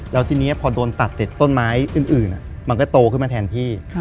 แล้วทีนี้พอโดนตัดเสร็จต้นไม้อื่นมันก็โตขึ้นมาแทนพี่